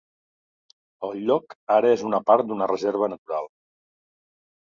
El lloc ara és una part d'una reserva natural.